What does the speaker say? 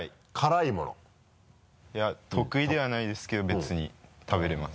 いや得意ではないですけど別に食べれます。